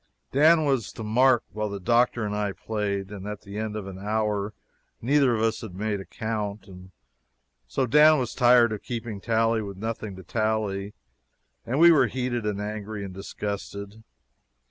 Dan was to mark while the doctor and I played. At the end of an hour neither of us had made a count, and so Dan was tired of keeping tally with nothing to tally, and we were heated and angry and disgusted.